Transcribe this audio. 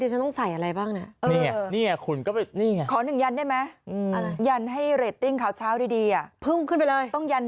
ขอ๑ยันได้ไหมยันให้เรตติ้งเข้าเช้าดีอ่ะ